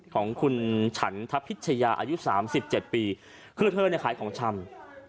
ของคุณฉันทะพิชยาอายุ๓๗ปีเพื่อเธอขายของชำ